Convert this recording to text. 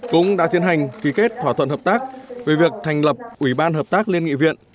cũng đã tiến hành ký kết thỏa thuận hợp tác về việc thành lập ủy ban hợp tác liên nghị viện